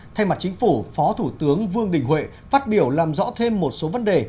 thay mặt chính phủ phó thủ tướng vương đình huệ phát biểu làm rõ thêm một số vấn đề